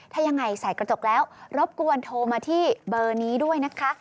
ถ้ายังไงใส่กระจกแล้วรบกวนโทรมาที่เบอร์นี้ด้วยนะคะ